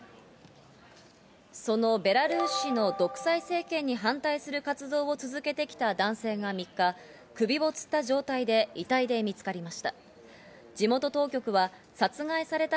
そのベラルーシの独裁政権に反対する活動を続けてきた男性が３日、首をつった状態で遺体で見つかりました。